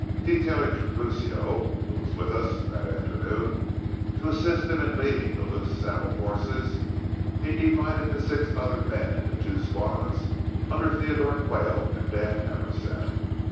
Detailing Tiburcio, who was with us that afternoon, to assist him in leading the loose saddle horses, he divided the six other men into two squads under Theodore Quayle and Dan Happersett.